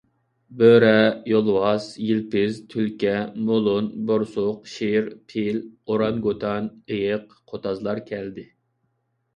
بۆرە، يولۋاس، يىلپىز، تۈلكە، مولۇن، بورسۇق، شىر، پىل، ئورانگوتان، ئېيىق، قوتازلار كەلدى.